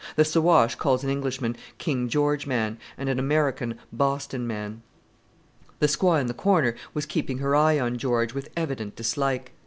The Siwash calls an Englishman 'King George man' and an American 'Boston man.'" The squaw in the corner was keeping her eye on George with evident dislike.